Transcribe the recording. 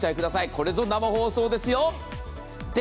これぞ生放送ですよ。